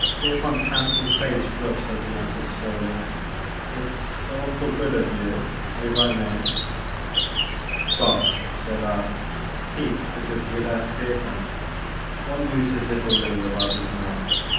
" Pierpont' s handsome face flushed as he an swered slowly, "It's awfully good of you, — if I may." " Bosh," said I, piqued because he had asked Pierpont, "what use is little Willy without his man?"